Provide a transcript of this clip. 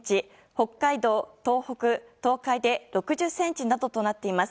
北海道、東北、東海で６０ｃｍなどとなっています。